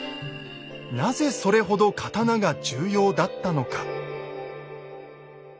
なぜそれほど刀が重要だったのか。